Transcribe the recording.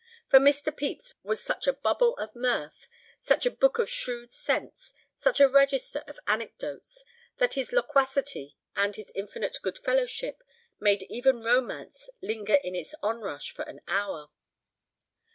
For Mr. Pepys was such a bubble of mirth, such a book of shrewd sense, such a register of anecdotes, that his loquacity and his infinite good fellowship made even romance linger in its onrush for an hour.